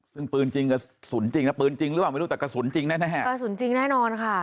ซึ่งปืนจริงกระสุนจริงนะปืนจริงหรือเปล่าไม่รู้แต่กระสุนจริงแน่แน่กระสุนจริงแน่นอนค่ะ